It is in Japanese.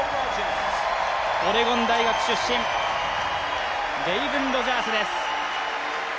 オレゴン大学出身、レイブン・ロジャースです。